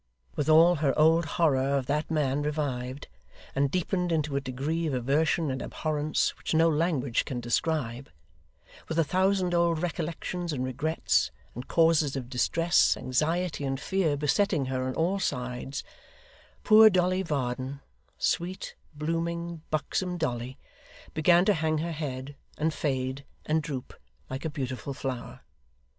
With all her old horror of that man revived, and deepened into a degree of aversion and abhorrence which no language can describe; with a thousand old recollections and regrets, and causes of distress, anxiety, and fear, besetting her on all sides; poor Dolly Varden sweet, blooming, buxom Dolly began to hang her head, and fade, and droop, like a beautiful flower.